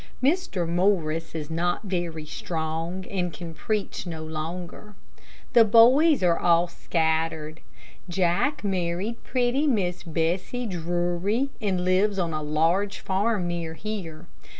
Mr. Morris is not very strong, and can preach no longer. The boys are all scattered. Jack married pretty Miss Bessie Drury, and lives on a large farm near here.